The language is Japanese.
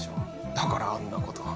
だからあんなこと。